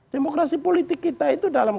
demokrasi politik kita itu dalam